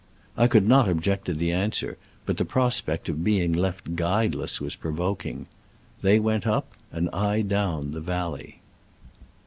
I could not object to the answer, but the prospect of being left guideless was provoking. They went up, and I down, the valley.